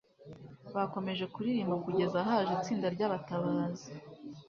Bakomeje kuririmba kugeza haje itsinda ryabatabazi.